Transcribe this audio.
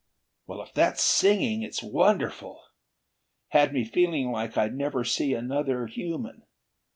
Well, if that's singing, it's wonderful! Had me feeling like I'd never see another human.